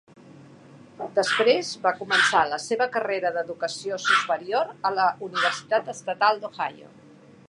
Després, va començar la seva carrera d'educació superior a la Universitat Estatal d'Ohio.